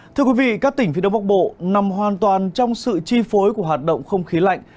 thưa quý vị các tỉnh phía đông bắc bộ nằm hoàn toàn trong sự chi phối của hoạt động không khí lạnh